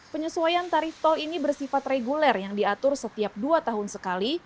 penyesuaian tarif tol ini bersifat reguler yang diatur setiap dua tahun sekali